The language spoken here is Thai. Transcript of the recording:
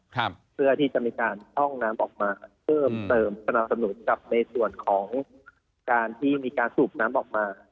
เพื่อที่จะมีการพร่องน้ำออกมาเพิ่มเติมสนับสนุนกับในส่วนของการที่มีการสูบน้ำออกมา